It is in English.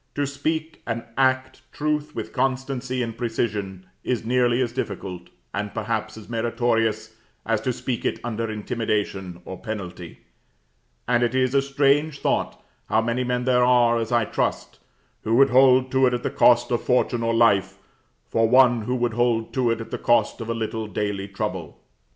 To speak and act truth with constancy and precision is nearly as difficult, and perhaps as meritorious, as to speak it under intimidation or penalty; and it is a strange thought how many men there are, as I trust, who would hold to it at the cost of fortune or life, for one who would hold to it at the cost of a little daily trouble.